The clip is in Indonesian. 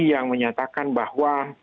yang menyatakan bahwa